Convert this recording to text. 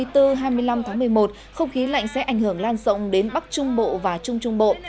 từ ngày một mươi một tháng một mươi một không khí lạnh sẽ ảnh hưởng lan rộng đến bắc trung bộ và trung trung bộ